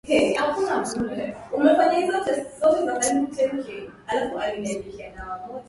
ya Sabato na madai ya Amri zile zingine tisa hayategemei agano la Mlima Sinai